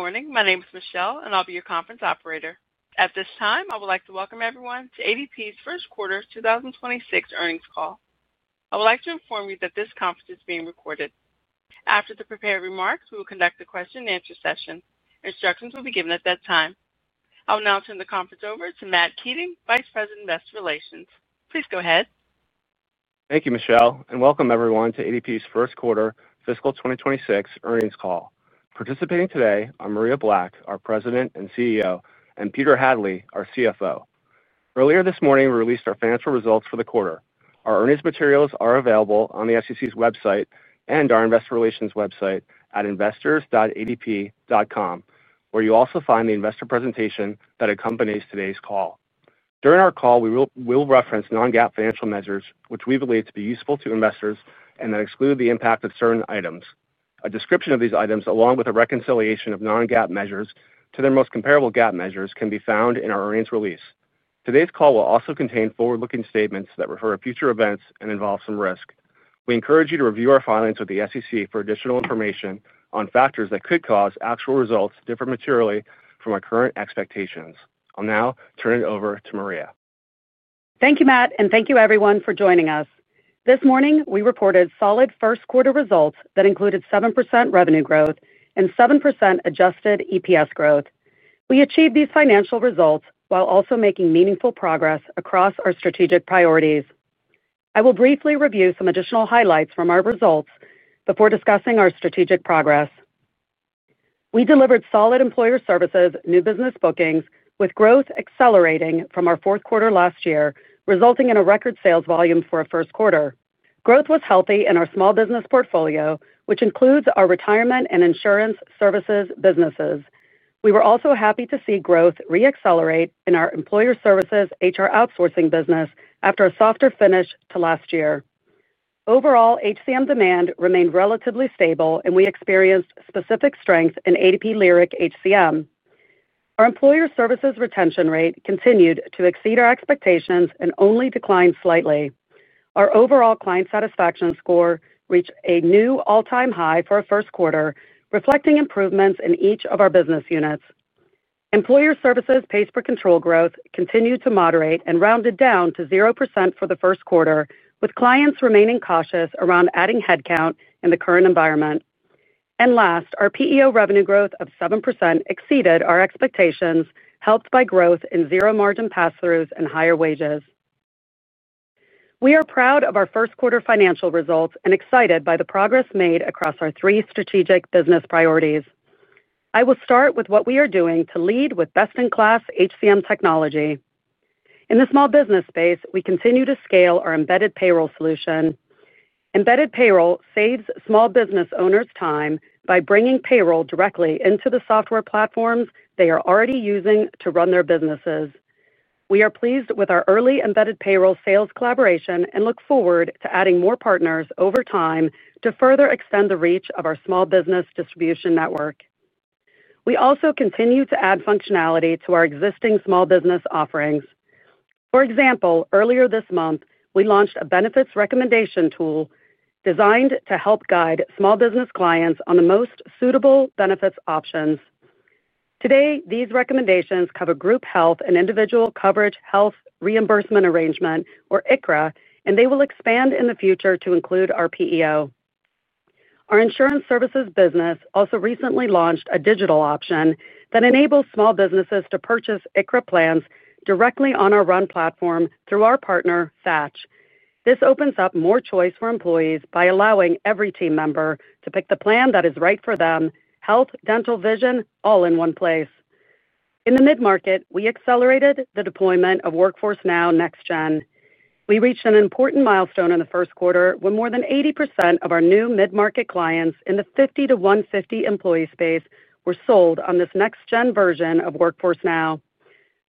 Good morning. My name is Michelle and I'll be your conference operator at this time. I would like to welcome everyone to ADP's first quarter 2026 earnings call. I would like to inform you that this conference is being recorded. After the prepared remarks, we will conduct the question and answer session. Instructions will be given at that time. I will now turn the conference over to Matt Keating, Vice President of Investor Relations. Please go ahead. Thank you, Michelle, and welcome everyone to ADP's first quarter fiscal 2026 earnings call. Participating today are Maria Black, our President and CEO, and Peter Hadley, our CFO. Earlier this morning, we released our financial results for the quarter. Our earnings materials are available on the SEC's website and our investor relations website at investors.adp.com, where you also find the investor presentation that accompanies today's call. During our call, we will reference non-GAAP financial measures, which we believe to be useful to investors and that exclude the impact of certain items. A description of these items, along with a reconciliation of non-GAAP measures to their most comparable GAAP measures, can be found in our earnings release. Today's call will also contain forward-looking statements that refer to future events and involve some risk. We encourage you to review our filings with the SEC for additional information on factors that could cause actual results to differ materially from our current expectations. I'll now turn it over to Maria. Thank you, Matt, and thank you, everyone, for joining us this morning. We reported solid first quarter results that included 7% revenue growth and 7% adjusted EPS growth. We achieved these financial results while also making meaningful progress across our strategic priorities. I will briefly review some additional highlights from our results before discussing our strategic progress. We delivered solid Employer Services new business bookings, with growth accelerating from our fourth quarter last year, resulting in a record sales volume for a first quarter. Growth was healthy in our small business portfolio, which includes our retirement and insurance services businesses. We were also happy to see growth re-accelerate in our Employer Services HR outsourcing business after a softer finish to last year. Overall HCM demand remained relatively stable, and we experienced specific strength in ADP Lyric HCM. Our Employer Services retention rate continued to exceed our expectations and only declined slightly. Our overall client satisfaction score reached a new all-time high for a first quarter, reflecting improvements in each of our business units. Employer Services pays per control growth continued to moderate and rounded down to 0% for the first quarter, with clients remaining cautious around adding headcount in the current environment. Last, our PEO revenue growth of 7% exceeded our expectations, helped by growth in zero margin pass-throughs and higher wages. We are proud of our first quarter financial results and excited by the progress made across our three strategic business priorities. I will start with what we are doing to lead with best-in-class HCM technology. In the small business space, we continue to scale our Embedded Payroll Solution. Embedded Payroll saves small business owners time by bringing payroll directly into the software platforms they are already using to run their businesses. We are pleased with our early Embedded Payroll sales collaboration and look forward to adding more partners over time to further extend the reach of our small business distribution network. We also continue to add functionality to our existing small business offerings. For example, earlier this month we launched a benefits recommendation tool designed to help guide small business clients on the most suitable benefits options. Today. These recommendations cover group health and Individual Coverage Health Reimbursement Arrangement or ICHRA, and they will expand in the future to include our PEO. Our insurance services business also recently launched a digital option that enables small businesses to purchase ICHRA plans directly on our RUN platform through our partner Thatch. This opens up more choice for employees by allowing every team member to pick the plan that is right for them. Health, dental, vision all in one place. In the mid-market, we accelerated the deployment of Workforce Now NextGen. We reached an important milestone in the first quarter with more than 80% of our new mid-market clients in the 50-150 employee space sold on this NextGen version of Workforce Now.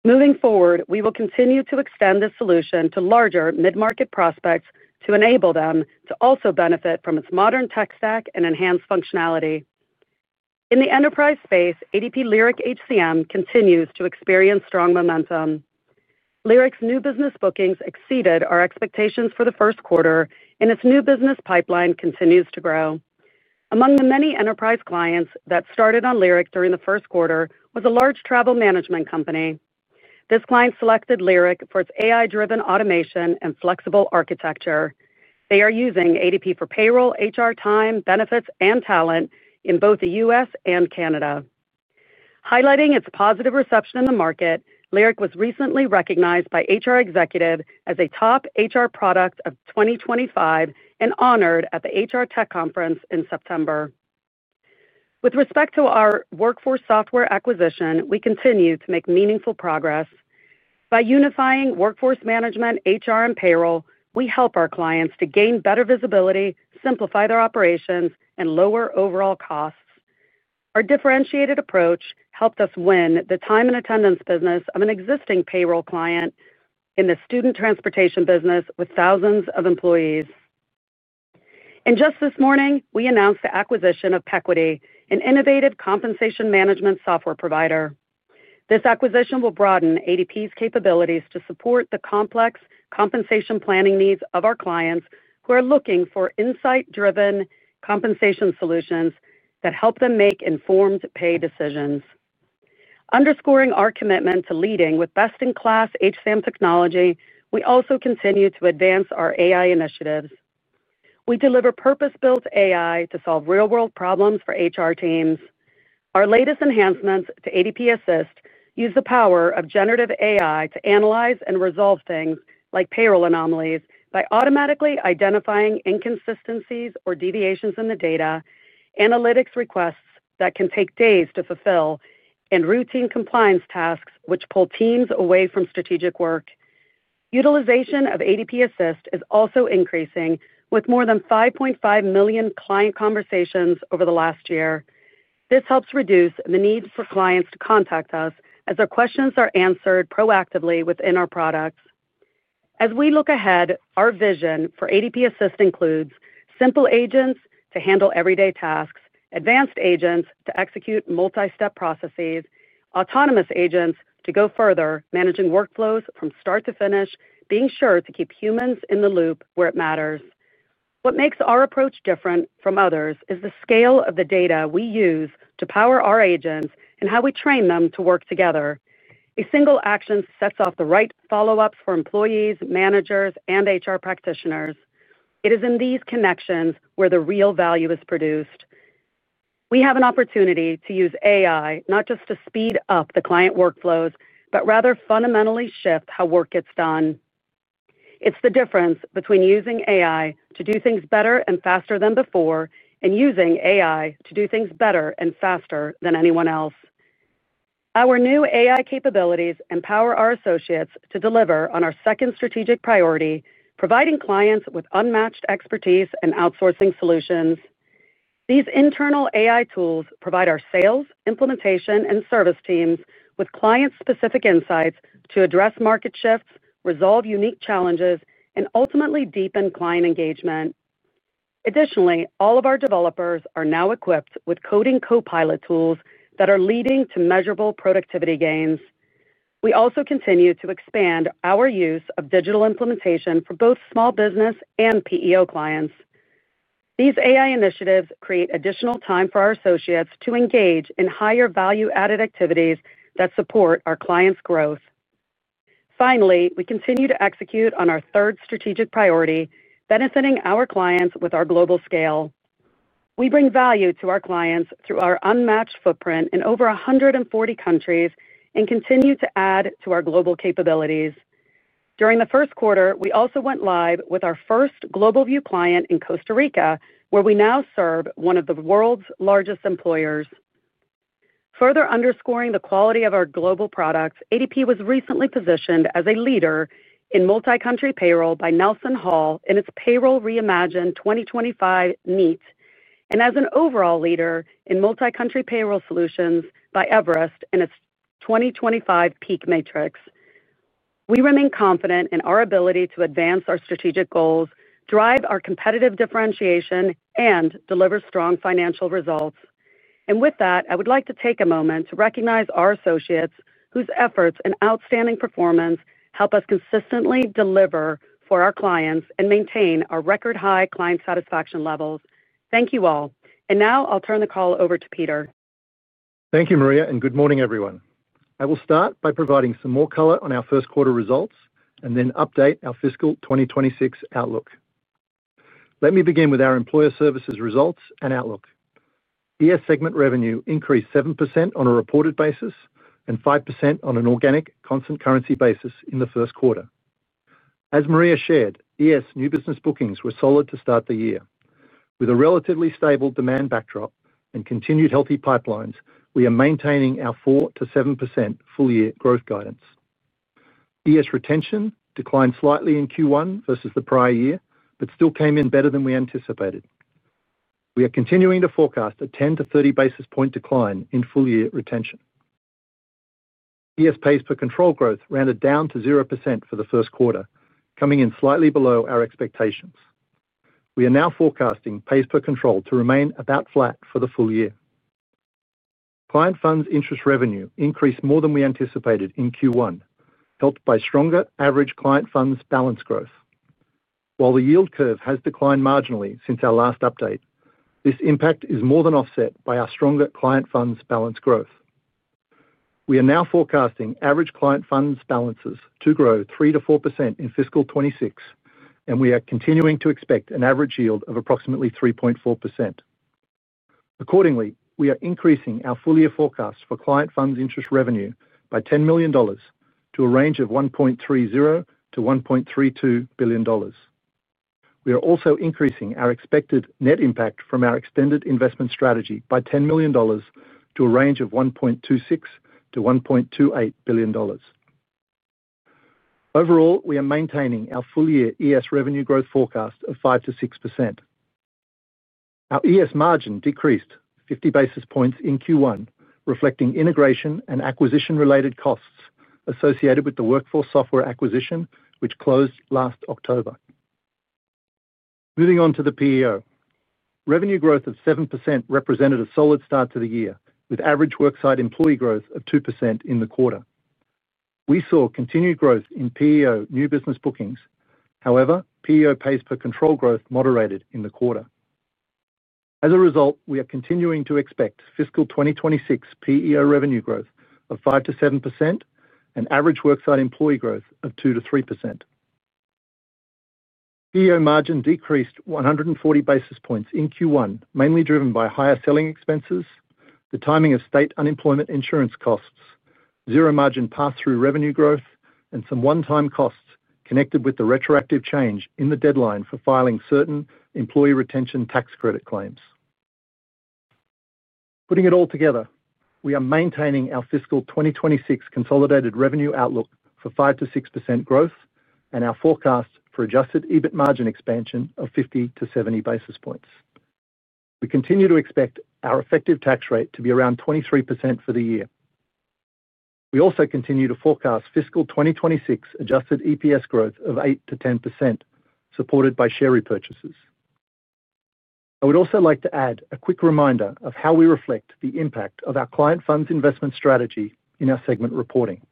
Moving forward, we will continue to extend this solution to larger mid-market prospects to enable them to also benefit from its modern tech stack and enhanced functionality. In the enterprise space, ADP Lyric HCM continues to experience strong momentum. Lyric's new business bookings exceeded our expectations for the first quarter, and its new business pipeline continues to grow. Among the many enterprise clients that started on Lyric during the first quarter was a large travel management company. This client selected Lyric for its AI-driven automation and flexible architecture. They are using ADP for payroll, HR, time, benefits, and talent in both the U.S. and Canada. Highlighting its positive reception in the market, Lyric was recently recognized by HR Executive as a top HR product of 2025 and honored at the HR Tech Conference in September. With respect to our Workforce Software acquisition, we continue to make meaningful progress by unifying workforce management, HR, and payroll. We help our clients to gain better visibility, simplify their operations, and lower overall costs. Our differentiated approach helped us win the time and attendance business of an existing payroll client in the student transportation business with thousands of employees. This morning we announced the acquisition of Pequity, an innovative compensation management software provider. This acquisition will broaden ADP's capabilities to support the complex compensation planning needs of our clients who are looking for insight-driven compensation solutions that help them make informed pay decisions. Underscoring our commitment to leading with best-in-class HCM technology, we also continue to advance our AI initiatives. We deliver purpose-built AI to solve real-world problems for HR teams. Our latest enhancements to ADP Assist use the power of generative AI to analyze and resolve things like payroll anomalies by automatically identifying inconsistencies or deviations in the data. Analytics requests that can take days to fulfill and routine compliance tasks pull teams away from strategic work. Utilization of ADP Assist is also increasing, with more than 5.5 million client conversations over the last year. This helps reduce the need for clients to contact us, as our questions are answered proactively within our products as we look ahead. Our vision for ADP Assist includes simple agents to handle everyday tasks, advanced agents to execute multi-step processes, and autonomous agents to go further, managing workflows from start to finish, being sure to keep humans in the loop where it matters. What makes our approach different from others is the scale of the data we use to power our agents and how we train them to work together. A single action sets off the right follow-ups for employees, managers, and HR practitioners. It is in these connections where the real value is produced. We have an opportunity to use AI not just to speed up the client workflows, but rather fundamentally shift how work gets done. It's the difference between using AI to do things better and faster than before and using AI to do things better and faster than anyone else. Our new AI capabilities empower our associates to deliver on our second strategic priority, providing clients with unmatched expertise and outsourcing solutions. These internal AI tools provide our sales, implementation, and service teams with client-specific insights to address market shifts, resolve unique challenges, and ultimately deepen client engagement. Additionally, all of our developers are now equipped with coding copilot tools that are leading to measurable productivity gains. We also continue to expand our use of digital implementation for both small business and PEO clients. These AI initiatives create additional time for our associates to engage in higher value-added activities that support our clients' growth. Finally, we continue to execute on our third strategic priority, benefiting our clients with our global scale. We bring value to our clients through our unmatched footprint in over 140 countries and continue to add to our global capabilities. During the first quarter we also went live with our first GlobalView client in Costa Rica, where we now serve one of the world's largest employers, further underscoring the quality of our global products. ADP was recently positioned as a leader in multi-country payroll by NelsonHall in its Payroll Reimagined 2025 Meet, and as an overall leader in Multi-Country Payroll Solutions by Everest in its 2025 PEAK Matrix. We remain confident in our ability to advance our strategic goals, drive our competitive differentiation, and deliver strong financial results. I would like to take a moment to recognize our associates whose efforts and outstanding performance help us consistently deliver for our clients and maintain our record high client satisfaction levels. Thank you all, and now I'll turn the call over to Peter. Thank you, Maria, and good morning, everyone. I will start by providing some more color on our first quarter results and then update our fiscal 2026 outlook. Let me begin with our Employer Services results and outlook. Employer Services segment revenue increased 7% on a reported basis and 5% on an organic constant currency basis in the first quarter. As Maria shared, Employer Services new business bookings were solid to start the year with a relatively stable demand backdrop and continued healthy pipelines. We are maintaining our 4%-7% full year growth guidance. Employer Services retention declined slightly in Q1 versus the prior year, but still came in better than we anticipated. We are continuing to forecast a 10-30 basis point decline in full year retention. Employer Services pays per control growth rounded down to 0% for the first quarter, coming in slightly below our expectations. We are now forecasting pays per control to remain about flat for the full year. Client funds interest revenue increased more than we anticipated in Q1, helped by stronger average client funds balance growth, while the yield curve has declined marginally since our last update. This impact is more than offset by our stronger client funds balance growth. We are now forecasting average client funds balances to grow 3%-4% in fiscal 2026, and we are continuing to expect an average yield of approximately 3.4%. Accordingly, we are increasing our full year forecast for client funds interest revenue by $10 million to a range of $1.30 billion-$1.32 billion. We are also increasing our expected net impact from our extended investment strategy by $10 million to a range of $1.26 billion-$1.28 billion. Overall, we are maintaining our full year Employer Services revenue growth forecast of 5%-6%. Our Employer Services margin decreased 50 basis points in Q1, reflecting integration and acquisition-related costs associated with the Workforce Software acquisition, which closed last October. Moving on to the PEO, revenue growth of 7% represented a solid start to the year with average worksite employee growth of 2% in the quarter. We saw continued growth in PEO new business bookings. However, PEO pays per control growth moderated in the quarter. As a result, we are continuing to expect fiscal 2026 PEO revenue growth of 5%-7% and average worksite employee growth of 2%-3%. PEO margin decreased 140 basis points in Q1, mainly driven by higher selling expenses, the timing of state unemployment insurance costs, 0 margin pass-through revenue growth, and some one-time costs connected with the retroactive change in the deadline for filing certain employee retention tax credit claims. Putting it all together, we are maintaining our fiscal 2026 consolidated revenue outlook for 5%-6% growth and our forecast for adjusted EBIT margin expansion of 50-70 basis points. We continue to expect our effective tax rate to be around 23% for the year. We also continue to forecast fiscal 2026 adjusted EPS growth of 8%-10%, supported by share repurchases. I would also like to add a quick reminder of how we reflect the impact of our client funds investment strategy in our segment reporting.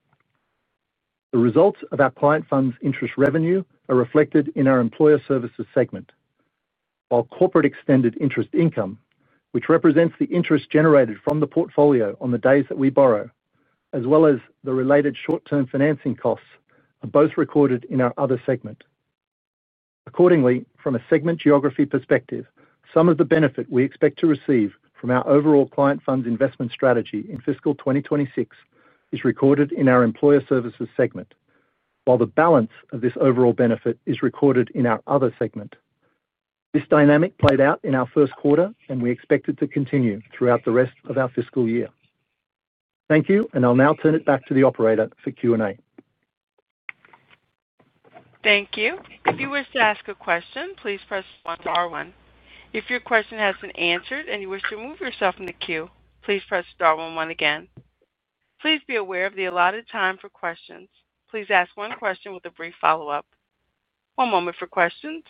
The results of our client funds interest revenue are reflected in our Employer Services segment, while corporate extended interest income, which represents the interest generated from the portfolio on the days that we borrow, as well as the related short-term financing costs, are both recorded in our Other segment. Accordingly, from a segment geography perspective, some of the benefit we expect to receive from our overall client funds investment strategy in fiscal 2026 is recorded in our Employer Services segment, while the balance of this overall benefit is recorded in our Other segment. This dynamic played out in our first quarter, and we expect it to continue throughout the rest of our fiscal year. Thank you, and I'll now turn it back to the operator for Q&A. Thank you. If you wish to ask a question, please press star one. If your question has been answered and you wish to move yourself in the queue, please press star one one. Again, please be aware of the allotted time for questions. Please ask one question with a brief follow up. One moment for questions.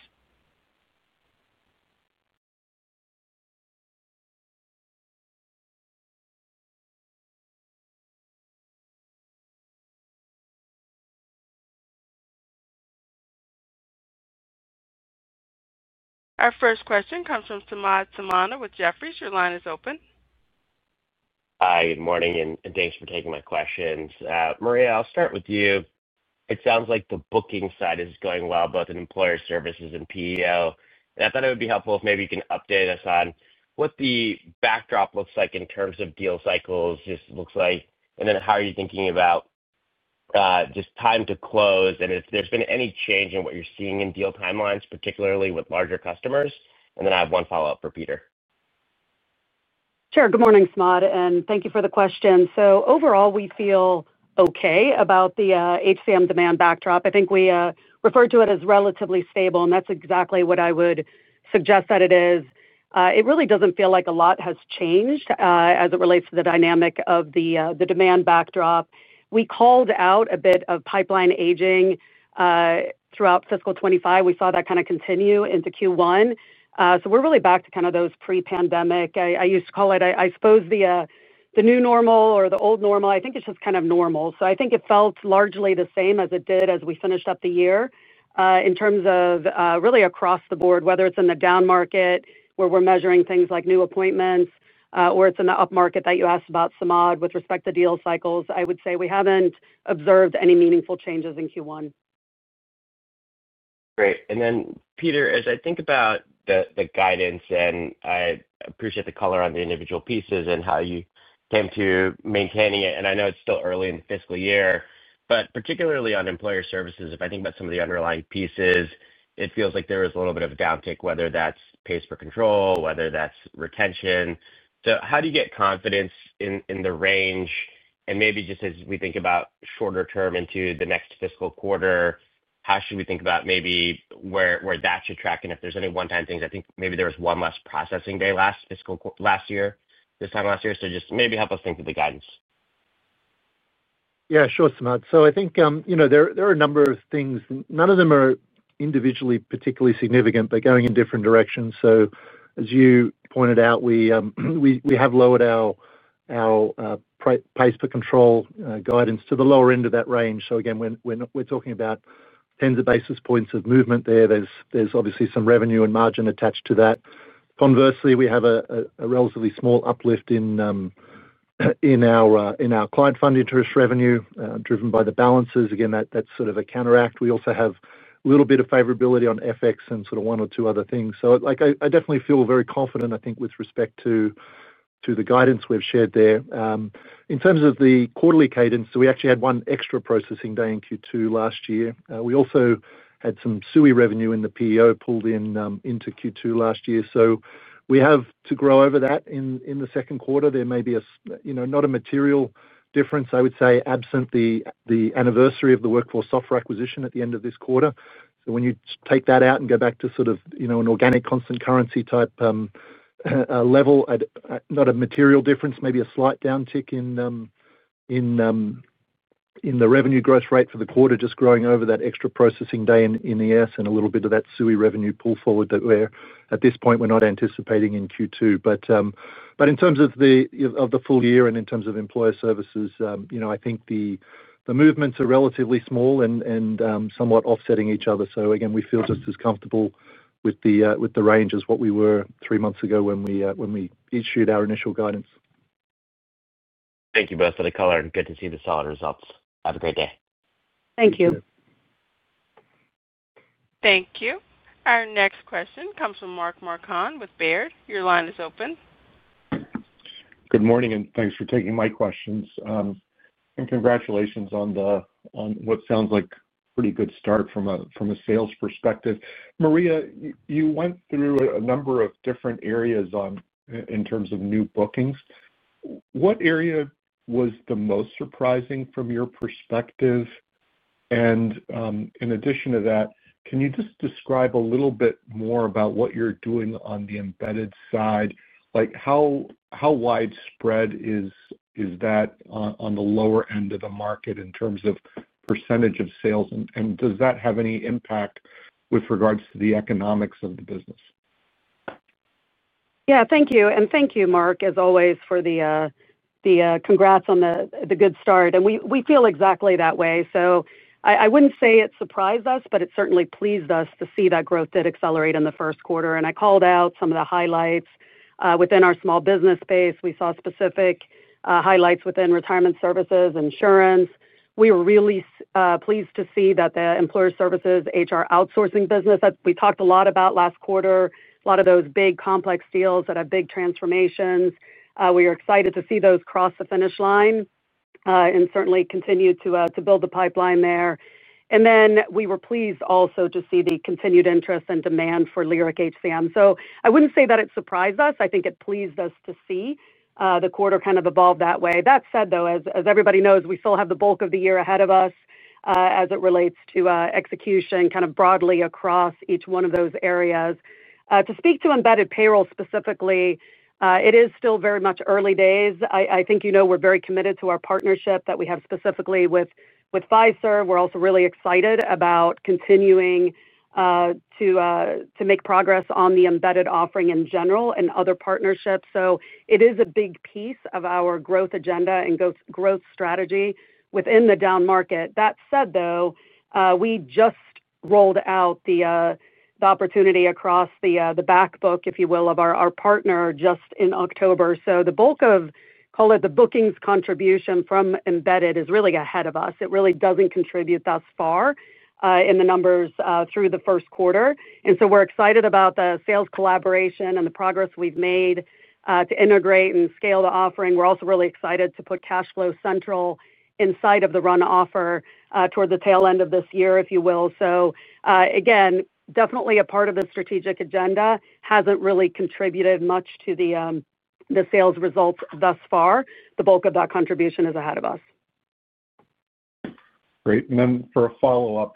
Our first question comes from Samad Samana with Jefferies. Your line is open. Hi, good morning and thanks for taking my questions. Maria, I'll start with you. It sounds like the booking side is going well both in Employer Services and PEO. I thought it would be helpful if maybe you can update us on what the backdrop looks like in terms of deal cycles. What this looks like and how are you thinking about just time to close, and if there's been any change in what you're seeing in deal timelines, particularly with larger customers. I have one follow-up for Peter. Sure. Good morning, Samad, and thank you for the question. Overall, we feel okay about the HCM demand backdrop. I think we referred to it as relatively stable, and that's exactly what I would suggest that it is. It really doesn't feel like a lot has changed as it relates to the dynamic of the demand backdrop. We called out a bit of pipeline aging throughout fiscal 2025. We saw that kind of continue into Q1. We're really back to those pre-pandemic, I used to call it, I suppose, the new normal or the old normal. I think it's just kind of normal. I think it felt largely the same as it did as we finished up the year in terms of really across the board, whether it's in the down market where we're measuring things like new appointments, or it's in the up market that you asked about, Samad. With respect to deal cycles, I would say we haven't observed any meaningful changes in Q1. Great. Peter, as I think about the guidance and I appreciate the color on the individual pieces and how you came to maintaining it, I know it's still early in the fiscal year, but particularly on Employer Services, if I think about some of the underlying pieces, it feels like there is a little bit of a downtick, whether that's pays per control or whether that's retention. How do you get confidence in the range? Maybe just as we think about shorter term into the next fiscal quarter, how should we think about where that should track? If there's any one-time things, I think maybe there was one less processing day last fiscal year, this time last year. Just maybe help us think through the guidance. Yeah, sure, Samad. I think there are a number of things, none of them are individually particularly significant, but going in different directions. As you pointed out, we have lowered our pays per control guidance to the lower end of that range. Again, we're talking about tens of basis points of movement there. There's obviously some revenue and margin attached to that. Conversely, we have a relatively small uplift in our client funds interest revenue driven by the balances. Again, that's sort of a counteract. We also have a little bit of favorability on FX and sort of one or two other things. I definitely feel very confident, I think, with respect to the guidance we've shared there. In terms of the quarterly cadence, we actually had one extra processing day in Q2 last year. We also had some SUI revenue in the PEO pulled into Q2 last year. We have to grow over that in the second quarter. There may be not a material difference, I would say, absent the anniversary of the Workforce Software acquisition at the end of this quarter. When you take that out and go back to an organic constant currency type level, not a material difference, maybe a slight downtick in the revenue growth rate for the quarter, just growing over that extra processing day and a little bit of that SUI revenue pull forward that at this point we're not anticipating in Q2. In terms of the full year and in terms of Employer Services, I think the movements are relatively small and somewhat offsetting each other. We feel just as comfortable with the range as what we were three months ago when we issued our initial guidance. Thank you both for the color. Good to see the solid results. Have a great day. Thank you. Thank you. Our next question comes from Mark Marcon with Baird. Your line is open. Good morning and thanks for taking my questions and congratulations on what sounds like pretty good start from a sales perspective, Maria, you went through a number of different areas in terms of new bookings. What area was the most surprising from your perspective? In addition to that, can you just describe a little bit more about what you're doing on the embedded side, like how widespread is that on the lower end of the market in terms of % of sales? Does that have any impact with regards to the economics of the business? Thank you and thank you Mark, as always, for the congrats on the good start and we feel exactly that way. I wouldn't say it surprised us, but it certainly pleased us to see that growth did accelerate in the first quarter. I called out some of the highlights within our small business space. We saw specific highlights within retirement services insurance. We were really pleased to see that the Employer Services HR outsourcing business that we talked a lot about last quarter, a lot of those big complex deals that have big transformations. We are excited to see those cross the finish line and certainly continue to build the pipeline there. We were pleased also to see the continued interest and demand for Lyric HCM. I wouldn't say that it surprised us. I think it pleased us to see the quarter kind of evolved that way. That said, as everybody knows, we still have the bulk of the year ahead of us as it relates to execution broadly across each one of those areas. To speak to Embedded Payroll specifically, it is still very much early days. We're very committed to our partnership that we have specifically with Pfizer. We're also really excited about continuing to make progress on the embedded offering in general and other partnerships. It is a big piece of our growth agenda and growth strategy within the down market. That said, we just rolled out the opportunity across the back book, if you will, of our partner just in October. The bulk of, call it, the bookings contribution from embedded is really ahead of us. It really doesn't contribute thus far in the numbers through the first quarter. We're excited about the sales collaboration and the progress we've made to integrate and scale the offering. We're also really excited to put Cash Flow Central inside of the RUN offer toward the tail end of this year, if you will. Again, definitely a part of the strategic agenda, hasn't really contributed much to the sales results thus far. The bulk of that contribution is ahead of us. Great. For a follow up,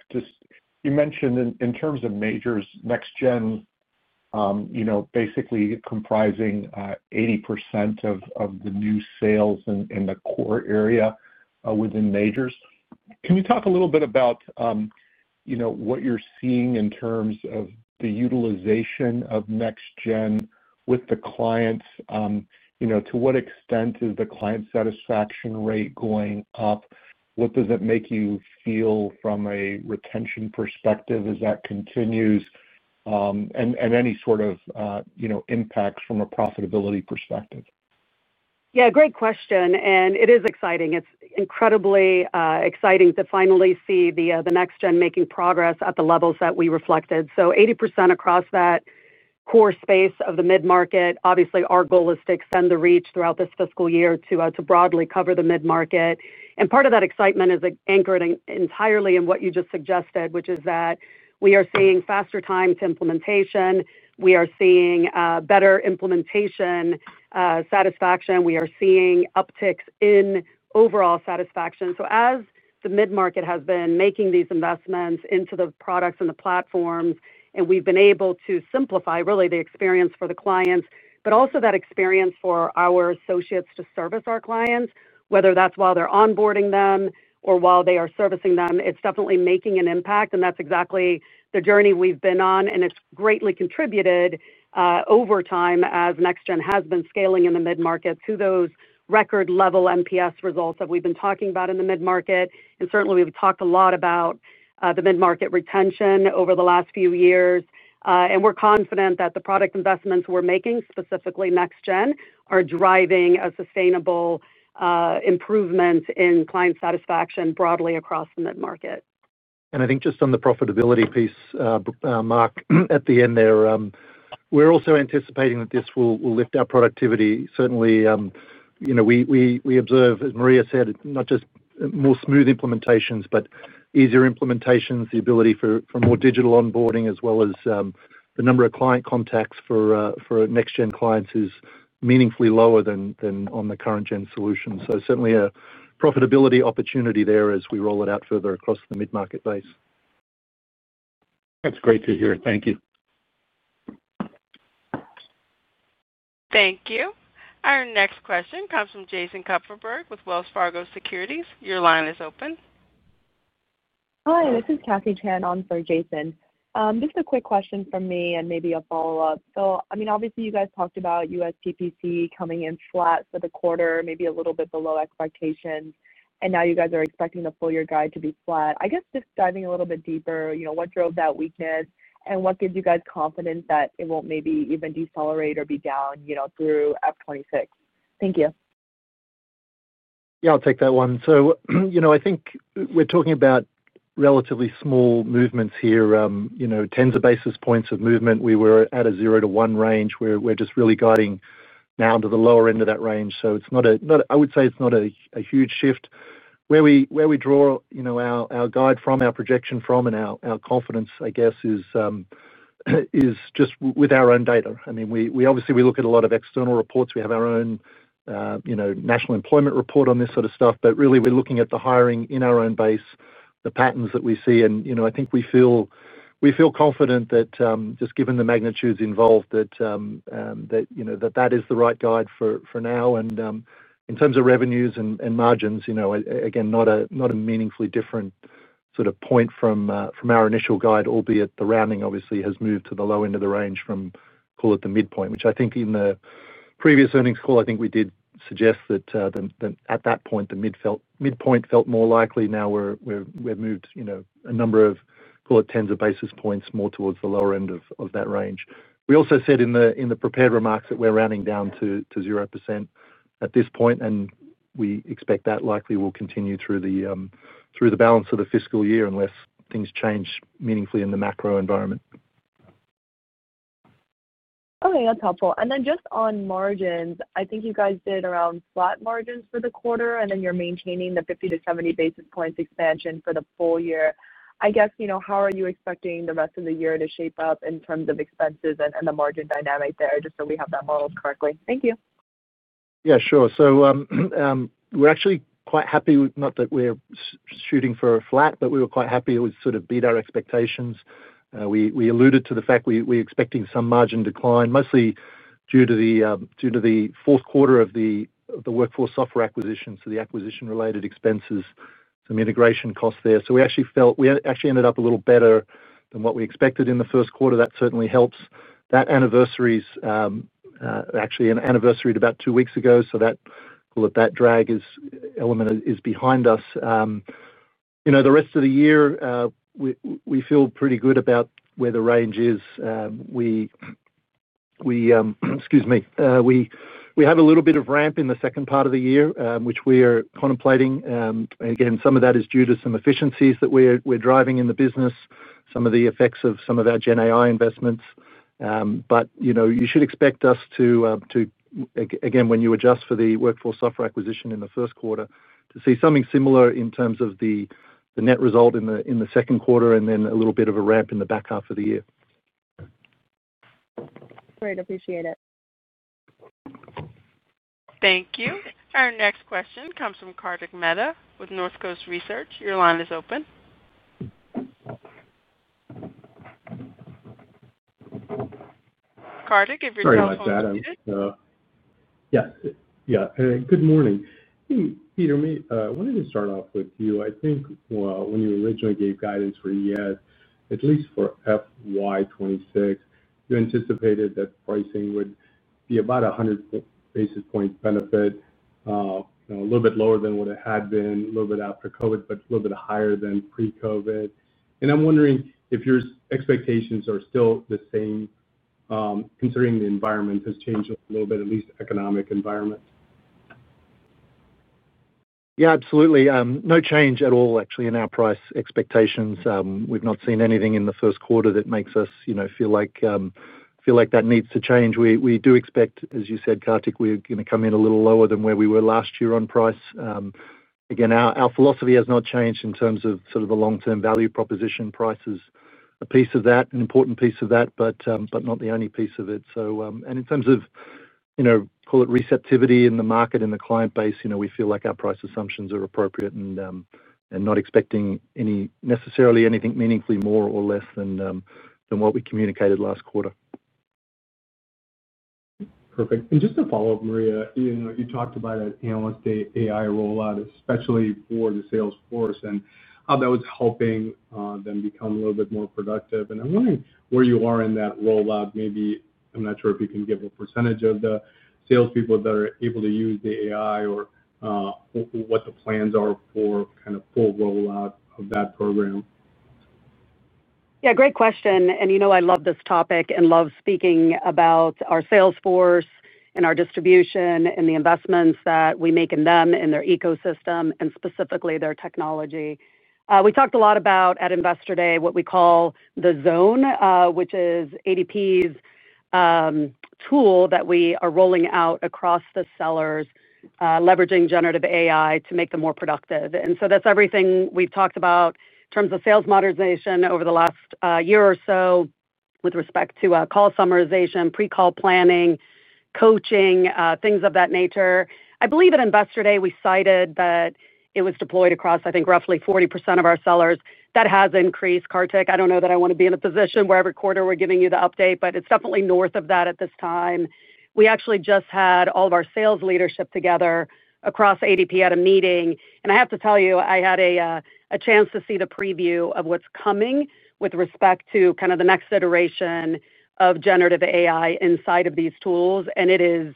you mentioned in terms of majors NextGen, basically comprising 80% of the new sales in the core area within majors. Can you talk a little bit about what you're seeing in terms of the utilization of NextGen with the clients and to what extent is the client satisfaction rate going up? What does it make you feel from a retention perspective as that continues, and any sort of impacts from a profitability perspective? Great question. It is exciting, it's incredibly exciting to finally see the next gen making progress at the levels that we reflected. 80% across that core space of the mid market. Obviously, our goal is to extend the reach throughout this fiscal year to broadly cover the mid market. Part of that excitement is anchored entirely in what you just suggested, which is that we are seeing faster time to implementation, we are seeing better implementation satisfaction, we are seeing upticks in overall satisfaction. As the mid market has been making these investments into the products and the platforms and we've been able to simplify really the experience for the clients, but also that experience for our associates to service our clients, whether that's while they're onboarding them or while they are servicing them, it's definitely making an impact. That's exactly the journey we've been on. It's greatly contributed over time as NextGen has been scaling in the mid market to those record level NPS results that we've been talking about in the mid market. Certainly, we've talked a lot about the mid market retention over the last few years and we're confident that the product investments we're making, specifically NextGen, are driving a sustainable improvement in client satisfaction broadly across the mid market. I think just on the profitability piece, Mark, at the end there, we're also anticipating that this will lift our productivity. Certainly, you know, we observe, as Maria said, not just more smooth implementations but easier implementations. The ability for more digital onboarding as well as the number of client contacts for next gen clients is meaningfully lower than on the current gen solutions. Certainly a profitability opportunity there as we roll it out further across the mid market base. That's great to hear. Thank you. Thank you. Our next question comes from Jason Kupferberg with Wells Fargo Securities. Your line is open. Hi, this is Kathy Chan on for Jason, just a quick question from me and maybe a follow up. I mean obviously you guys talked about USPPC coming in flat for the quarter, maybe a little bit below expectations, and now you guys are expecting the full year guide to be flat. I guess just diving a little bit deeper, you know, what drove that weakness and what gives you guys confidence that it won't maybe even decelerate or be down through F 2026? Thank you. Yeah, I'll take that one. I think we're talking about relatively small movements here, tens of basis points of movement. We were at a 0-1% range. We're just really guiding now to the lower end of that range. It's not a huge shift where we draw our guide from, our projection from. Our confidence, I guess, is just with our own data. I mean, we obviously look at a lot of external reports, we have our own national employment report on this sort of stuff. Really, we're looking at the hiring in our own base, the patterns that we see. I think we feel confident that just given the magnitudes involved, that is the right guide for now. In terms of revenues and margins, again, not a meaningfully different sort of point from our initial guide, albeit the rounding obviously has moved to the low end of the range from, call it, the midpoint, which I think in the previous earnings call we did suggest that at that point the midpoint felt more likely. Now we've moved a number of, call it, tens of basis points more towards the lower end of that range. We also said in the prepared remarks that we're rounding down to 0% at this point. We expect that likely will continue through the balance of the fiscal year unless things change meaningfully in the macro environment. Okay, that's helpful. Just on margins, I think you guys did around flat margins for the quarter, and you're maintaining the 50 basis points-70 basis points expansion for the full year. I guess, you know, how are you expecting the rest of the year to shape up in terms of expenses and the margin dynamic there? Just so we have that model correctly. Thank you. Yeah, sure. We're actually quite happy. Not that we're shooting for a flat, but we were quite happy. It sort of beat our expectations. We alluded to the fact we were expecting some margin decline mostly due to the fourth quarter of the Workforce Software acquisition, so the acquisition-related expenses, some integration costs there. We actually felt we ended up a little better than what we expected in the first quarter. That certainly helps. That anniversary was actually about two weeks ago, so that drag element is behind us. The rest of the year we feel pretty good about where the range is. Excuse me. We have a little bit of ramp in the second part of the year, which we are contemplating. Again, some of that is due to some efficiencies that we're driving in the business, some of the effects of some of our generative AI investments. You should expect us to, again, when you adjust for the Workforce Software acquisition in the first quarter, to see something similar in terms of the net result in the second quarter and then a little bit of a ramp in the back half of the year. Great. Appreciate it. Thank you. Our next question comes from Kartik Mehta with Northcoast Research. Your line is open. Kartik, if you're on your line is muted. Yes. Yeah, good morning. Peter, I wanted to start off with you. I think when you originally gave guidance for, yes, at least for FY 2026, you anticipated that pricing would be about 100 basis points benefit a little bit lower than what it had been a little bit after Covid, but a little bit higher than pre-Covid. I'm wondering if your expectations are still the same considering the environment has changed a little bit, at least economic environment. Yes, absolutely. No change at all actually in our price expectations. We've not seen anything in the first quarter that makes us feel like that needs to change. We do expect, as you said, Kartik, we're going to come in a little lower than where we were last year on price. Again, our philosophy has not changed in terms of the long-term value proposition. Price is a piece of that, an important piece of that, but not the only piece of it. In terms of, call it, receptivity in the market, in the client base, we feel like our price assumptions are appropriate and not expecting necessarily anything meaningfully more or less than what we communicated last quarter. Perfect. Just to follow up, Maria, you talked about an analyst day AI rollout, especially for the salesforce, and how that was helping them become a little bit more productive. I'm wondering where you are in that rollout. Maybe I'm not sure if you can give a % of the salespeople that are able to use the AI or what the plans are for kind of full rollout of that program. Yeah, great question. I love this topic and love speaking about our sales force and our distribution and the investments that we make in them, in their ecosystem and specifically their technology. We talked a lot about at Investor Day what we call the zone, which is ADP's tool that we are rolling out across the sellers, leveraging generative AI to make them more productive. That's everything we've talked about in terms of sales modernization over the last year or so. With respect to call summarization, pre call planning, coaching, things of that nature, I believe at Investor Day we cited that it was deployed across, I think, roughly 40% of our sellers. That has increased. Kartik, I don't know that I want to be in a position where every quarter we're giving you the update, but it's definitely north of that at this time. We actually just had all of our sales leadership together across ADP at a meeting. I have to tell you, I had a chance to see the preview of what's coming with respect to kind of the next iteration of generative AI inside of these tools, and it is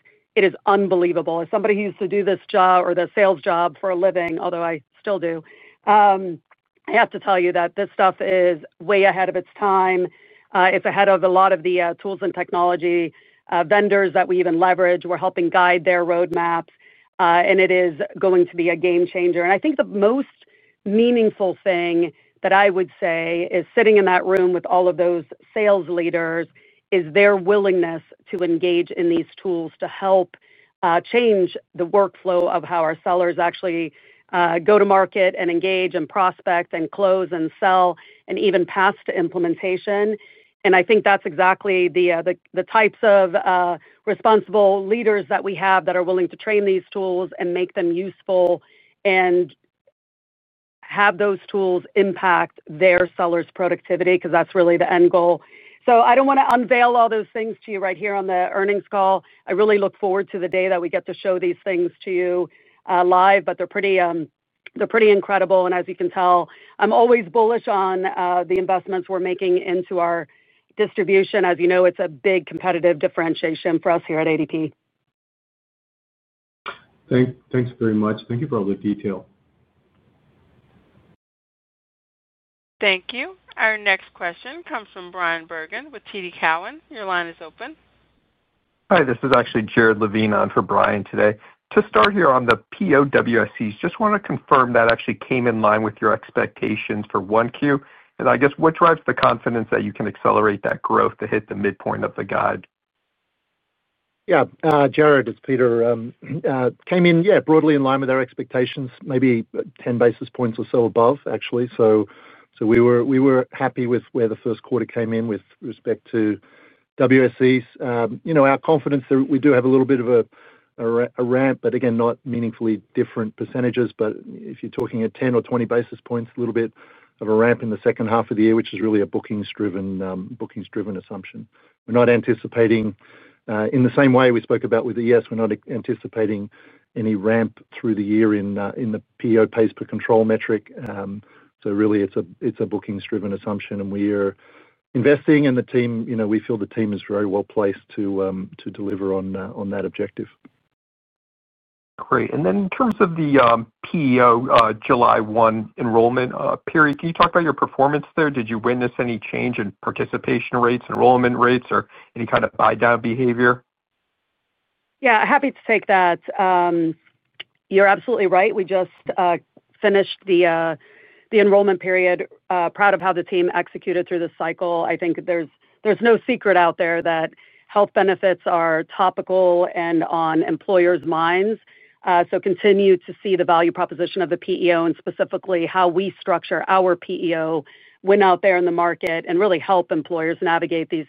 unbelievable. As somebody who used to do this job or the sales job for a living, although I still do, I have to tell you that this stuff is way ahead of its time. It's ahead of a lot of the tools and technology vendors that we even leverage. We're helping guide their roadmaps and it is going to be a game changer. I think the most meaningful thing that I would say is sitting in that room with all of those sales leaders is their willingness to engage in these tools to help change the workflow of how our sellers actually go to market and engage and prospect and close and sell and even pass to implementation. I think that's exactly the types of responsible leaders that we have that are willing to train these tools and make them useful and have those tools impact their sellers' productivity because that's really the end goal. I don't want to unveil all those things to you right here on the earth. I really look forward to the day that we get to show these things to you live. They're pretty incredible. As you can tell, I'm always bullish on the investments we're making into our distribution. As you know, it's a big competitive differentiation for us here at ADP. Thanks very much. Thank you for all the detail. Thank you. Our next question comes from Bryan Bergin with TD Cowen. Your line is open. Hi, this is actually Jared Levine on for Brian today to start here on the PEOWSC. Just want to confirm that actually came in line with your expectations for 1Q. What drives the confidence that you can accelerate that growth to hit the midpoint of the guide? Yeah, Jared, it's Peter. Came in broadly in line with our expectations, maybe 10 basis points or so above actually. We were happy with where the first quarter came in with respect to WSCs employees. Our confidence is that we do have a little bit of a ramp, but again not meaningfully different percentages. If you're talking at 10 or 20 basis points, a little bit of a ramp in the second half of the year, which is really a bookings-driven assumption. We're not anticipating, in the same way we spoke about with ES, we're not anticipating any ramp through the year in the PEO pays per control metric. Really, it's a bookings-driven assumption and we are investing, and the team, we feel the team is very well placed to deliver on that objective. Great. In terms of the PEO July 1 enrollment period, can you talk about your performance there? Did you witness any change in participation rates, enrollment rates, or any kind of buy down behavior? Yeah, happy to take that. You're absolutely right. We just finished the enrollment period. Proud of how the team executed through the cycle. I think there's no secret out there that health benefits are topical and on employers' minds. Continue to see the value proposition of the PEO and specifically how we structure our PEO when out there in the market and really help employers navigate these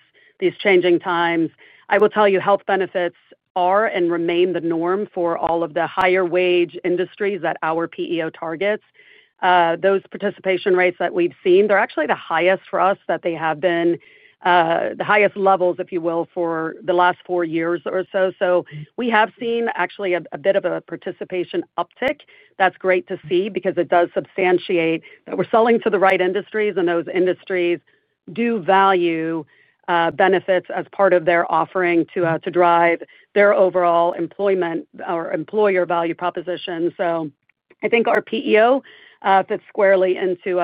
changing times. I will tell you health benefits are and remain the norm for all of the higher wage industries that our PEO targets. Those participation rates that we've seen, they're actually the highest for us that they have been, the highest levels if you will, for the last four years or so. We have seen actually a bit of a participation uptick. That's great to see because it does substantiate that we're selling to the right industries and those industries do value benefits as part of their offering to drive their overall employment or employer value proposition. I think our PEO fits squarely into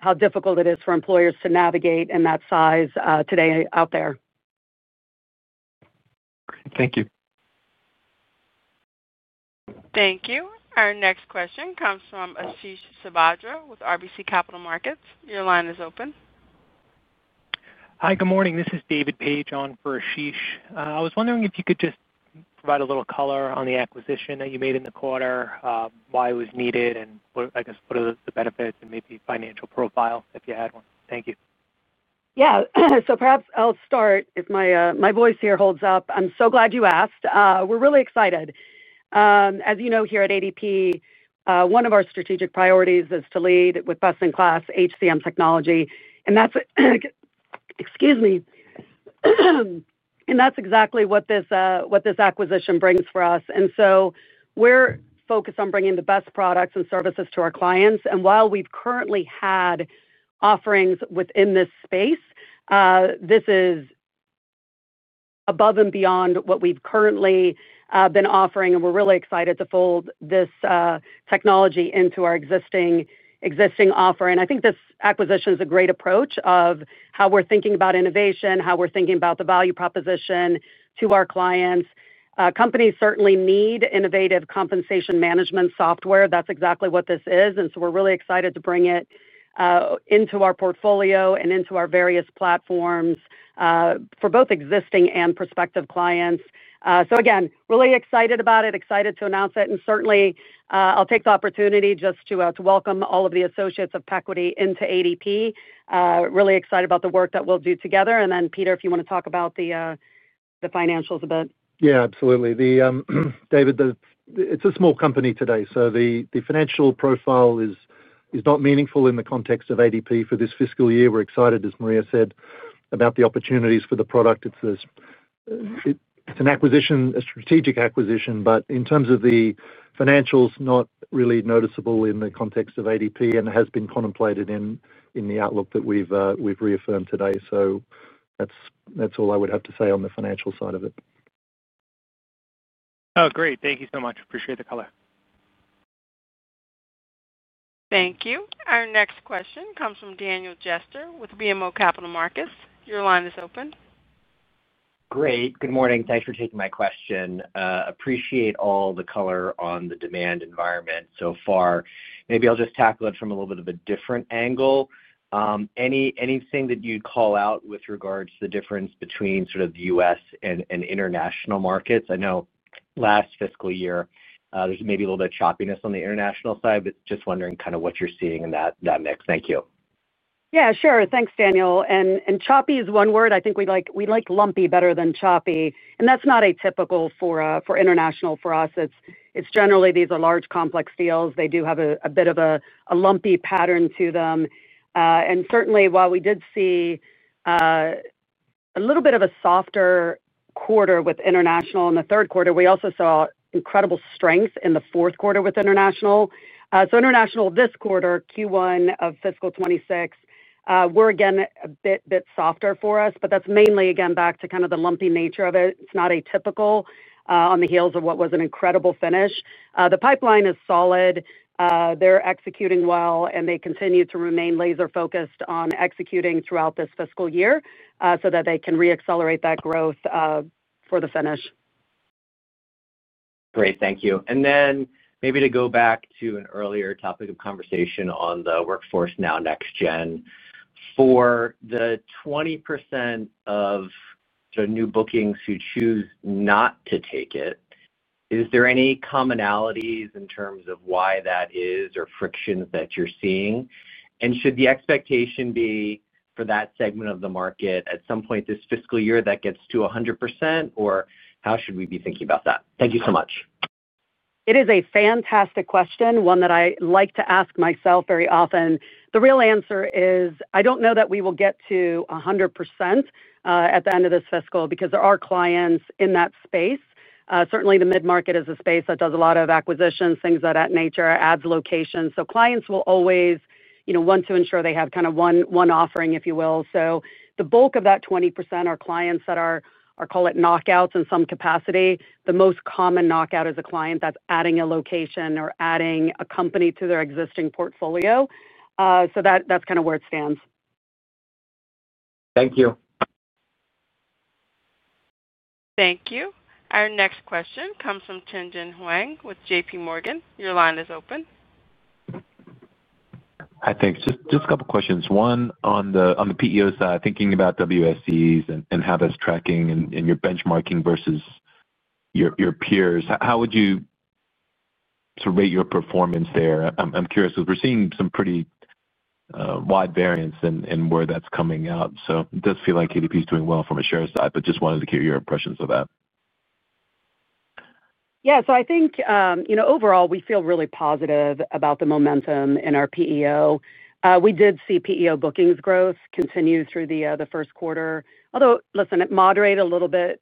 how difficult it is for employers to navigate in that size today out there. Thank you. Thank you. Our next question comes from Ashish Sabadra with RBC Capital Markets. Your line is open. Hi, good morning. This is David Paige on for Ashish. I was wondering if you could just provide a little color on the acquisition that you made in the quarter, why it was needed, and I guess what are the benefits and maybe financial profile if you had one. Thank you. Yeah. Perhaps I'll start if my voice here holds up. I'm so glad you asked. We're really excited, as you know, here at ADP, one of our strategic priorities is to lead with best-in-class HCM technology. That's exactly what this acquisition brings for us. We're focused on bringing the best products and services to our clients. While we've currently had offerings within this space, this is above and beyond what we've currently been offering. We're really excited to fold this technology into our existing offer. I think this acquisition is a great approach of how we're thinking about innovation, how we're thinking about the value proposition to our clients. Companies certainly need innovative compensation management software. That's exactly what this is. We're really excited to bring it into our portfolio and into our various platforms for both existing and prospective clients. Again, really excited about it, excited to announce it, and certainly I'll take the opportunity just to welcome all of the associates of Pequity into ADP. Really excited about the work that we'll do together. Peter, if you want to talk about the financials a bit. Yeah, absolutely, David. It's a small company today, so the financial profile is not meaningful in the context of ADP for this fiscal year. We're excited, as Maria said, about the opportunities for the product. It's an acquisition, a strategic acquisition, but in terms of the financials, not really noticeable in the context of ADP and has been contemplated in the outlook that we've reaffirmed today. That's all I would have to say on the financial side of it. Oh, great. Thank you so much. Appreciate the color. Thank you. Our next question comes from Daniel Jester with BMO Capital Markets. Your line is open. Great. Good morning. Thanks for taking my question. Appreciate all the color on the demand environment so far. Maybe I'll just tackle from a little bit of a different angle, anything that you call out with regards to the difference between sort of the U.S. and international markets. I know last fiscal year there's maybe a little bit of choppiness on the international side, but just wondering kind of what you're seeing in that mix. Thank you. Yeah, sure. Thanks, Daniel. Choppy is one word. I think we like lumpy better than choppy, and that's not atypical for international. For us, it's generally these are large, complex deals. They do have a bit of a lumpy pattern to them. Certainly, while we did see a little bit of a softer quarter with international in the third quarter, we also saw incredible strength in the fourth quarter with international. International this quarter, Q1 of fiscal 2026, were again a bit softer for us, but that's mainly again back to kind of the lumpy nature of it. It's not atypical on the heels of what was an incredible finish. The pipeline is solid, they're executing well, and they continue to remain laser focused on executing throughout this fiscal year so that they can reaccelerate that growth for the finish. Great, thank you. Maybe to go back to an earlier topic of conversation on the Workforce Now NextGen, for the 20% of new bookings who choose not to take it, is there any commonalities in terms of why that is or friction that you're seeing? Should the expectation be for that segment of the market at some point this fiscal year that gets to 100%, or how should we be thinking about that? Thank you so much. It is a fantastic question, one that I like to ask myself very often. The real answer is I don't know that we will get to 100% at the end of this fiscal because there are clients in that space. Certainly, the mid market is a space that does a lot of acquisitions, things of that nature, adds location. Clients will always want to ensure they have kind of one offering, if you will. The bulk of that 20% are clients that are, call it, knockouts in some capacity. The most common knockout is a client that's adding a location or adding a company to their existing portfolio. That's kind of where it stands. Thank you. Thank you. Our next question comes from Tien-tsin Huang with JPMorgan. Your line is open. Hi, thanks. Just a couple questions, one on the PEO side, thinking about WSEs and how that's tracking and your benchmarking versus your peers, how would you rate your performance there? I'm curious because we're seeing some pretty wide variance in where that's coming out. It does feel like ADP is doing well from a shares side, but just wanted to get your impressions of that. Yeah. I think overall we feel really positive about the momentum in our PEO. We did see PEO bookings growth continue through the first quarter, although, listen, it moderated a little bit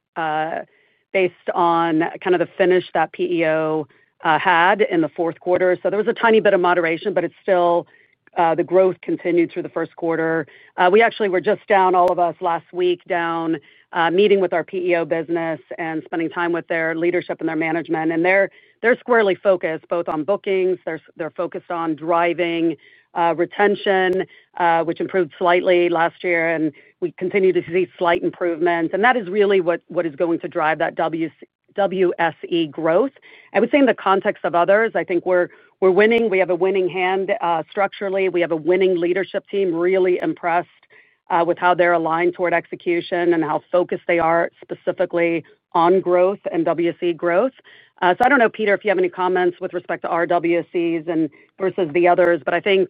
based on kind of the finish that PEO had in the fourth quarter. There was a tiny bit of moderation, but the growth continued through the first quarter. We actually were just down, all of us last week, meeting with our PEO business and spending time with their leadership and their management, and they're squarely focused both on bookings. They're focused on driving retention, which improved slightly last year. We continue to see slight improvements, and that is really what is going to drive that WSE growth. I would say in the context of others, I think we're winning. We have a winning hand structurally. We have a winning leadership team. Really impressed with how they're aligned toward execution and how focused they are specifically on growth and WSE growth. I don't know, Peter, if you have any comments with respect to WSEs versus the others, but I think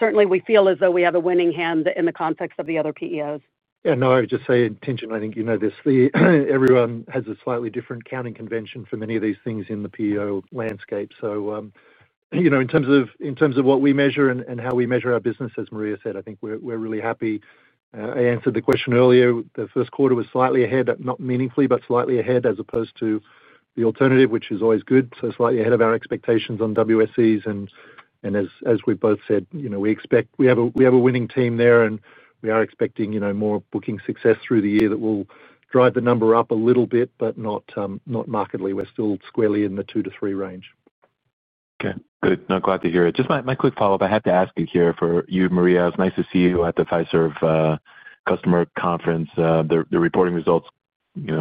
certainly we feel as though we have a winning hand in the context of the other PEOs. No, I would just say tension. I think you know this. Everyone has a slightly different accounting convention for many of these things in the PEO landscape. In terms of what we measure and how we measure our business, as Maria said, I think we're really happy I answered the question earlier. The first quarter was slightly ahead, not meaningfully, but slightly ahead as opposed to the alternative, which is always good. Slightly ahead of our expectations on WSEs. As we both said, we expect we have a winning team there and we are expecting more booking success through the year. That will drive the number up a little bit, but not markedly. We're still squarely in the two to three range. Okay, good. Glad to hear it. Just my quick follow up I have to ask you here for you. Maria, it's nice to see you at the Fiserv Customer Conference. The reporting results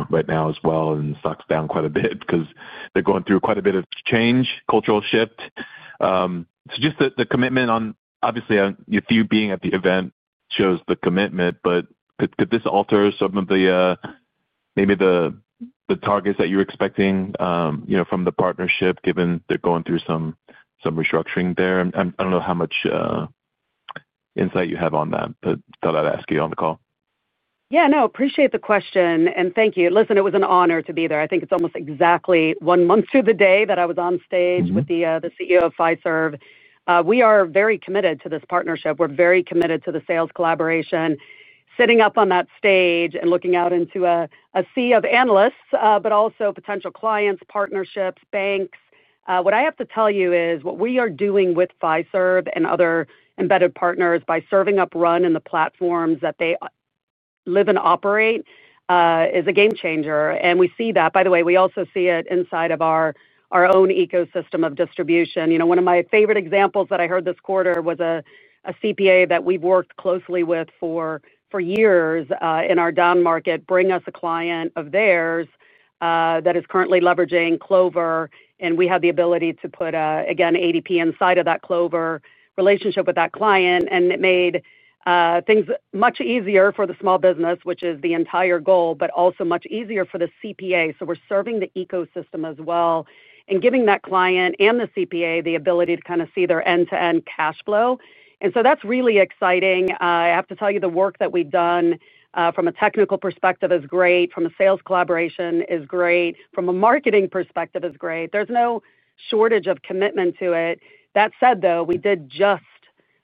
right now as well, and stock's down quite a bit because they're going through quite a bit of change, cultural shift. Just the commitment on obviously being at the event shows the commitment. Could this alter some of the, maybe the targets that you're expecting from the partnership, given they're going through some restructuring there? I don't know how much insight you have on that, but thought I'd ask you on the call. Yeah, no, appreciate the question and thank you. Listen, it was an honor to be there. I think it's almost exactly one month to the day that I was on stage with the CEO of Fiserv. We are very committed to this partnership. We're very committed to the sales collaboration. Sitting up on that stage and looking out into a sea of analysts, but also potential clients, partnerships, banks. What I have to tell you is what we are doing with Fiserv and other embedded partners by serving up RUN in the platforms that they live and operate is a game changer. We see that, by the way. We also see it inside of our own ecosystem of distribution. One of my favorite examples that I heard this quarter was a CPA that we've worked closely with for years in our down market bring us a client of theirs that is currently leveraging Clover, and we have the ability to put, again, ADP inside of that Clover relationship with that client. It made things much easier for the small business, which is the entire goal, but also much easier for the CPA. We're serving the ecosystem as well and giving that client and the CPA the ability to kind of see their end-to-end cash flow, and that's really exciting. I have to tell you, the work that we've done from a technical perspective is great. From a sales collaboration is great. From a marketing perspective is great. There's no shortage of commitment to it. That said, we did just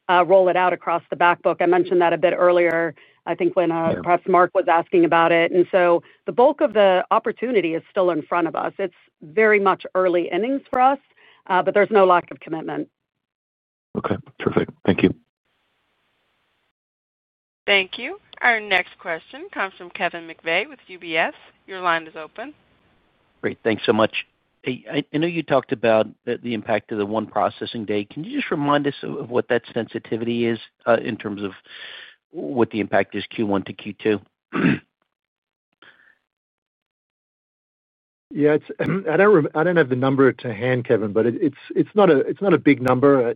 roll it out across the back book. I mentioned that a bit earlier, I think, when perhaps Mark was asking about it. The bulk of the opportunity is still in front of us. It's very much early innings for us, but there's no lack of commitment. Okay, terrific. Thank you. Thank you. Our next question comes from Kevin McVeigh with UBS. Your line is open. Great. Thanks so much. I know you talked about the impact of the one processing day. Can you just remind us of what that sensitivity is in terms of what the impact is Q1 to Q2? Yeah, I don't have the number to hand, Kevin, but it's not a big number.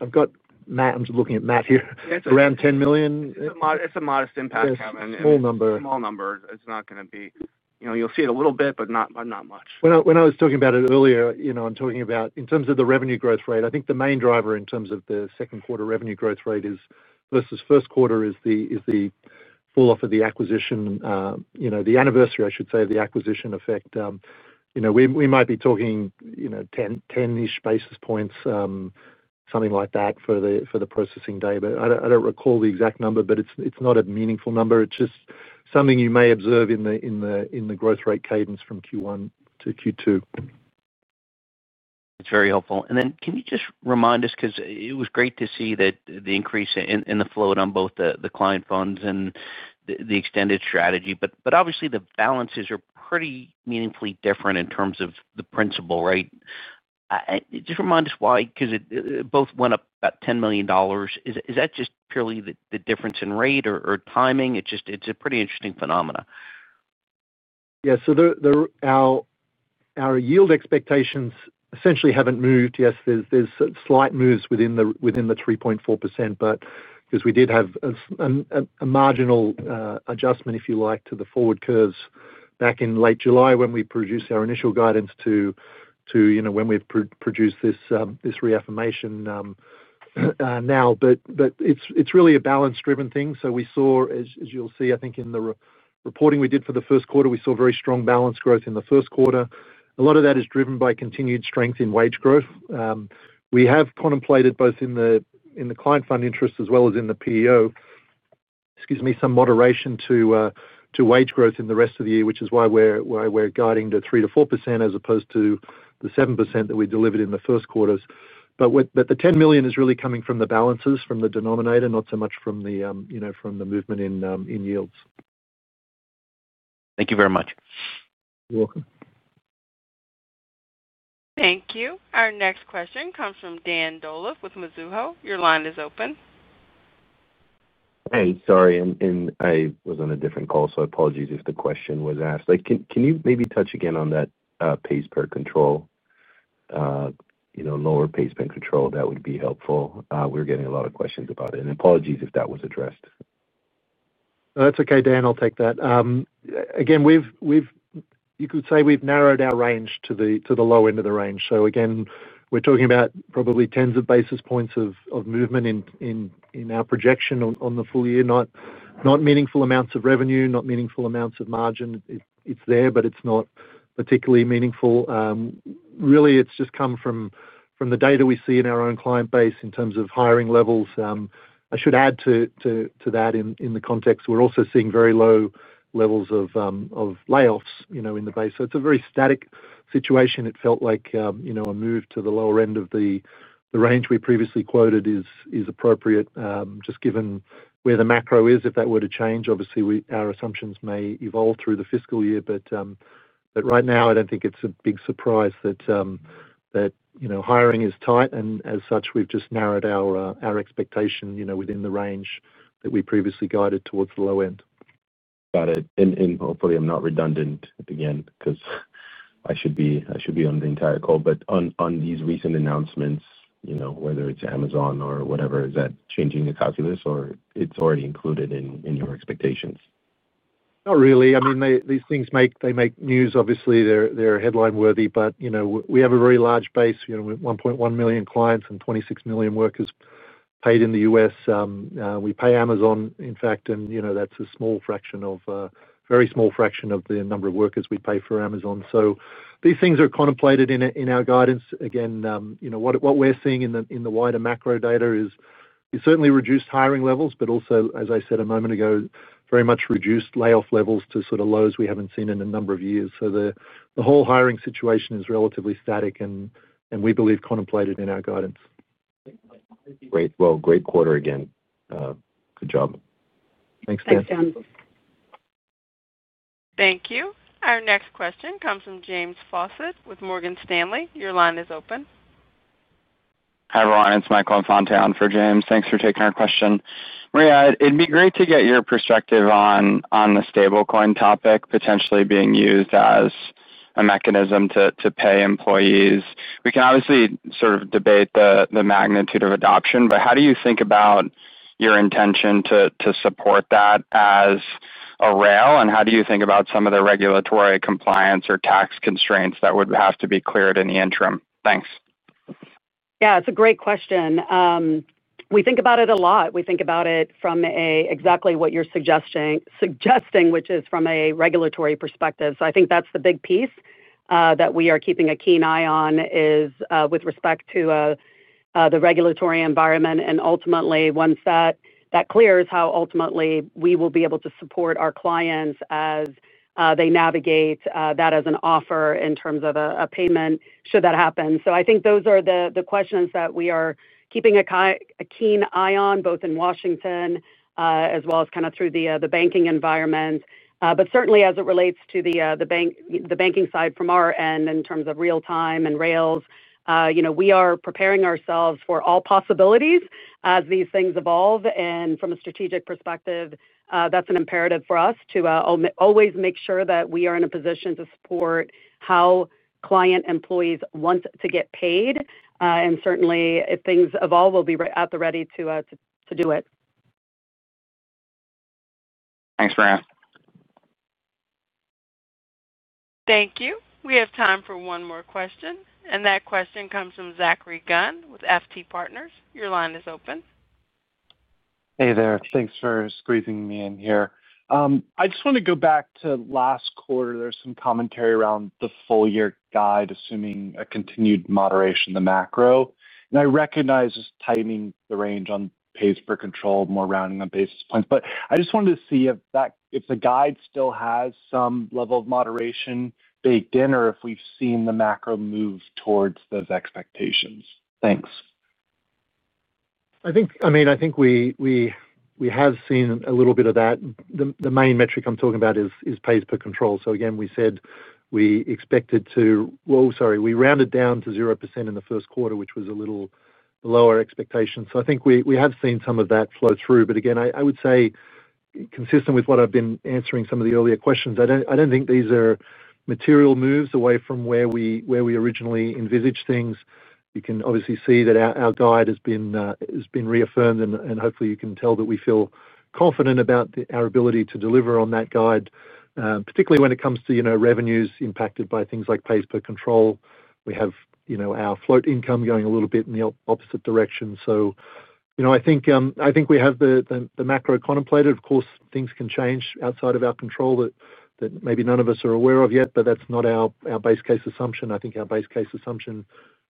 I've got Matt. I'm just looking at Matt here. Around $10 million. It's a modest impact, Kevin. Small number. Small number. It's not going to be. You'll see it a little bit, but not much. When I was talking about it earlier, I'm talking about in terms of the revenue growth rate. I think the main driver in terms of the second quarter revenue growth rate versus first quarter is the fall off of the acquisition. The anniversary, I should say, of the acquisition effect. We might be talking 10 bps, something like that for the processing data. I don't recall the exact number, but it's not a meaningful number. It's just something you may observe in the growth rate cadence from Q1 to Q2. That's very helpful. Can you just remind us, because it was great to see the increase in the float on both the client funds and the extended strategy, but obviously the balances are pretty meaningfully different in terms of the principal, right? Just remind us why. Because both went up about $10 million. Is that just purely the difference in rate or timing? It's a pretty interesting phenomena. Yes. Our yield expectations essentially haven't moved. Yes, there's slight moves within the 3%-4%, but because we did have a marginal adjustment, if you like, to the forward curves back in late July when we produced our initial guidance to, you know, when we've produced this reaffirmation now. It's really a balance-driven thing. We saw, as you'll see, I think in the reporting we did for the first quarter, we saw very strong balance growth in the first quarter. A lot of that is driven by continued strength in wage growth. We have contemplated both in the client funds interest as well as in the PEO, some moderation to wage growth in the rest of the year, which is why we're guiding to 3%-4% as opposed to the 7% that we delivered in the first quarter. The $10 million is really coming from the balances, from the denominator, not so much from the movement in yields. Thank you very much. Thank you. Our next question comes from Dan Dolev with Mizuho. Your line is open. Hey, sorry, I was on a different call. I apologize if the question was asked. Can you maybe touch again on that pays per control? You know, lower pays per control? That would be helpful. We're getting a lot of questions about it and apologies if that was addressed. That's okay, Dan. I'll take that again. You could say we've narrowed our range to the low end of the range. Again, we're talking about probably tens of basis points of movement in our projection on the full year. Not meaningful amounts of revenue, not meaningful amounts of margin. It's there, but it's not particularly meaningful, really. It's just come from the data we see in our own client base. In terms of hiring levels, I should add to that in the context, we're also seeing very low levels of layoffs in the base. It's a very static situation. It felt like a move to the lower end of the range we previously quoted is appropriate, just given where the macro is if that were to change, obviously our assumptions may evolve through the fiscal year, but right now I don't think it's a big surprise that hiring is tight and as such we've just narrowed our expectation within the range that we previously guided towards the low end. Got it. Hopefully I'm not redundant again, because I should be on the entire call. On these recent announcements, whether it's Amazon or whatever, is that changing the calculus or it's already included in your expectations? Not really. I mean, these things make news, obviously they're headline worthy, but we have a very large base with 1.1 million clients and 26 million workers paid in the U.S. We pay Amazon, in fact, and that's a very small fraction of the number of workers we pay for Amazon. These things are contemplated in our guidance. Again, what we're seeing in the wider macro data is certainly reduced hiring levels, but also, as I said a moment ago, very much reduced layoff levels to lows we haven't seen in a number of years. The whole hiring situation is relatively static, and we believe contemplated in our guidance. Great quarter again. Good job. Thanks, Dan. Thank you. Our next question comes from James Faucette with Morgan Stanley. Your line is open. Hi everyone, it's Michael Infante on for James. Thanks for taking our question, Maria. It'd be great to get your perspective on the stablecoin topic, potentially being used as a mechanism to pay employees. We can obviously sort of debate the magnitude of adoption, but how do you think about your intention to support that as a rail, and how do you think about some of the regulatory compliance or tax constraints that would have to be cleared in the interim? Thanks. Yeah, it's a great question. We think about it a lot. We think about it from exactly what you're suggesting, which is from a regulatory perspective. I think that's the big piece that we are keeping a keen eye on, with respect to the regulatory environment and ultimately once that clears, how ultimately we will be able to support our clients as they navigate that as an offer in terms of a payment, should that happen. I think those are the questions that we are keeping a keen eye on both in Washington as well as kind of through the banking environment. Certainly as it relates to the banking side from our end, in terms of real time and rails, we are preparing ourselves for all possibilities as these things evolve. From a strategic perspective, that's an imperative for us to always make sure that we are in a position to support how client employees want to get paid. Certainly if things evolve, we'll be at the ready to do it. Thanks, Maria. Thank you. We have time for one more question, and that question comes from Zachary Gunn with FT Partners. Your line is open. Hey there. Thanks for squeezing me in here. I just want to go back to last quarter. There's some commentary around the full year guide assuming a continued moderation in the macro. I recognize this tightening the range on pays per control, more rounding on basis points. I just wanted to see if that if the guide still has some level of moderation baked in or if we've seen the macro move towards those expectations. Thanks. I think we have seen a little bit of that. The main metric I'm talking about is pays per control. Again, we said we expected to. Sorry, we rounded down to 0% in the first quarter, which was a little bit. I think we have seen some of that flow through. Again, I would say consistent with what I've been answering in some of the earlier questions, I don't think these are material moves away from where we originally envisaged things. You can obviously see that our guide has been reaffirmed, and hopefully you can tell that we feel confident about our ability to deliver on that guide, particularly when it comes to revenues impacted by things like pays per control. We have our float income going a little bit in the opposite direction. I think we have the macro contemplated. Of course, things can change outside of our control that maybe none of us are aware of yet, but that's not our base case assumption. I think our base case assumption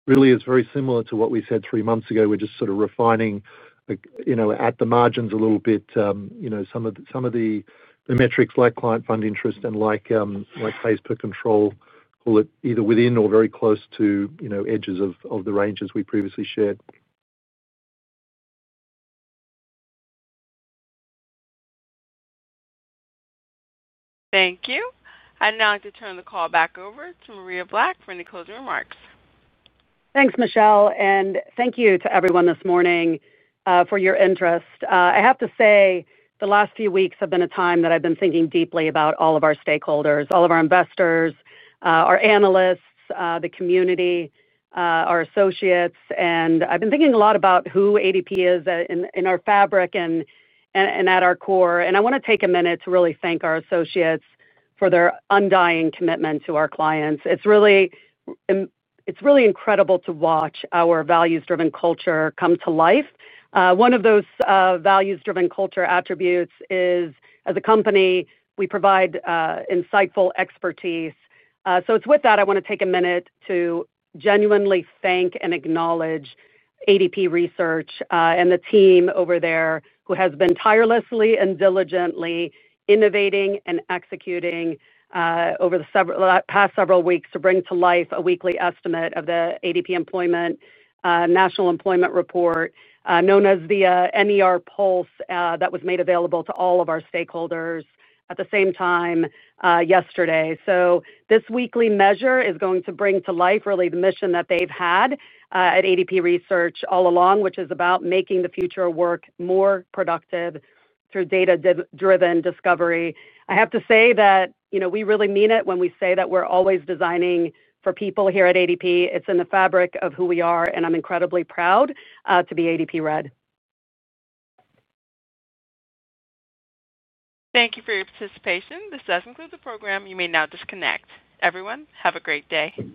really is very similar to what we said three months ago. We're just sort of refining at the margins a little bit some of the metrics like client funds interest and like pays per control, call it either within or very close to edges of the ranges we previously shared. Thank you. I'd now like to turn the call back over to Maria Black for any closing remarks. Thanks, Michelle. Thank you to everyone this morning for your interest. I have to say the last few weeks have been a time that I've been thinking deeply about all of our stakeholders, all of our investors, our analysts, the community, our associates. I've been thinking a lot about who ADP is in our fabric and at our core. I want to take a minute to really thank our associates for their undying commitment to our clients. It's really incredible to watch our values-driven culture come to life. One of those values-driven culture attributes is as a company, we provide insightful expertise. With that, I want to take a minute to genuinely thank and acknowledge ADP Research and the team over there who has been tirelessly and diligently innovating and executing over the past several weeks to bring to life a weekly estimate of the ADP National Employment Report, known as the NER Pulse, that was made available to all of our stakeholders at the same time yesterday. This weekly measure is going to bring to life really the mission that they've had at ADP Research all along, which is about making the future work more productive through data-driven discovery. I have to say that we really mean it when we say that we're always designing for people here at ADP. It's in the fabric of who we are, and I'm incredibly proud to be ADP. Red, thank you for your participation. This does conclude the program. You may now disconnect. Everyone, have a great day.